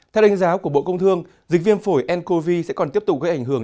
theo đánh giá của bộ công thương dịch viêm phổi ncov sẽ còn tiếp tục gây ảnh hưởng